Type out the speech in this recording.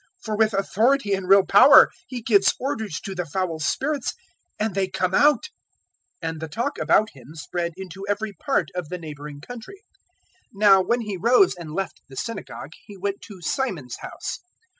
For with authority and real power He gives orders to the foul spirits and they come out." 004:037 And the talk about Him spread into every part of the neighbouring country. 004:038 Now when He rose and left the synagogue He went to Simon's house.